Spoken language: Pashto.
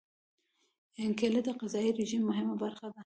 کېله د غذايي رژیم مهمه برخه ده.